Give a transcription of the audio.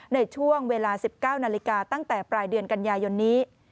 ในช่วงเวลา๑๙นาฬิกาตั้งแต่ปลายเดือนกันยายนนี้